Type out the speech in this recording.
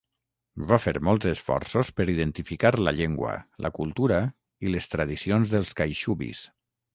Va fer molts esforços per identificar la llengua, la cultura i les tradicions dels caixubis.